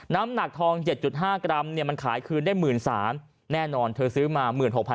น้ำหนักทอง๗๕กรัมมันขายคืนได้๑๓๐๐แน่นอนเธอซื้อมา๑๖๐๐